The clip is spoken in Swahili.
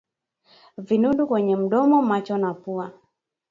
Vinundu kwenye mdomo macho na pua